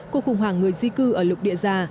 cuộc khủng hoảng người di cư ở lục địa già